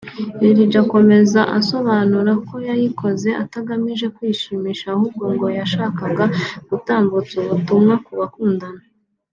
Lil G akomeza asobanura ko yayikoze atagamije kwishimisha ahubwo ngo yashakaga gutambutsa ubutumwa ku bakundana